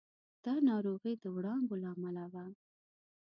دا ناروغي د وړانګو له امله وه.